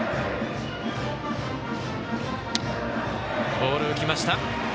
ボール浮きました。